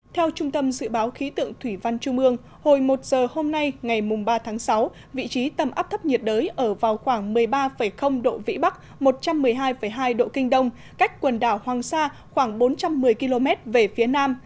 theo trung tâm dự báo khí tượng thủy văn trung ương hồi một giờ hôm nay ngày ba tháng sáu vị trí tâm áp thấp nhiệt đới ở vào khoảng một mươi ba độ vĩ bắc một trăm một mươi hai hai độ kinh đông cách quần đảo hoàng sa khoảng bốn trăm một mươi km về phía nam